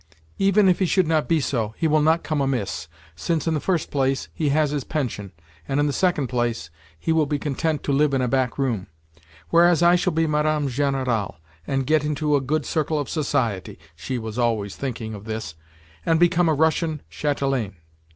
Even if he should not be so, he will not come amiss, since, in the first place, he has his pension, and, in the second place, he will be content to live in a back room; whereas I shall be Madame General, and get into a good circle of society" (she was always thinking of this) "and become a Russian châtelaine.